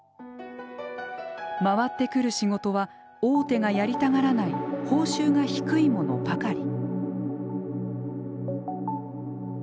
回ってくる仕事は大手がやりたがらない報酬が低いものばかり。